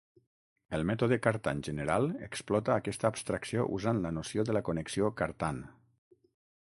El mètode Cartan general explota aquesta abstracció usant la noció de la connexió Cartan.